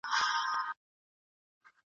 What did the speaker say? خیرات د خدای د رِضا لپاره ورکړئ.